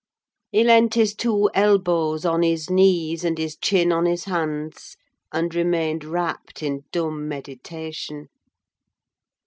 He leant his two elbows on his knees, and his chin on his hands, and remained rapt in dumb meditation.